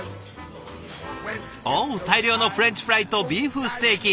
お大量のフレンチフライとビーフステーキ。